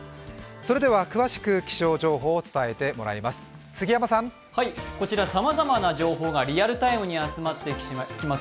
それでは詳しく気象情報を伝えていただきます。